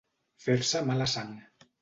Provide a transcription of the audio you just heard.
Fer-se mala sang.